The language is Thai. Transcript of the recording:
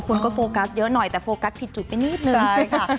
คุณก็โฟกัสเยอะหน่อยแต่โฟกัสผิดจุดไปนีบหนึ่ง